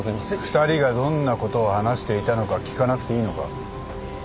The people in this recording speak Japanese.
２人がどんなことを話していたのか聞かなくていいのか？